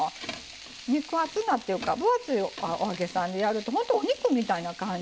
肉厚なっていうか分厚いお揚げさんでやると本当お肉みたいな感じ？